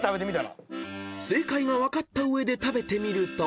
［正解が分かった上で食べてみると］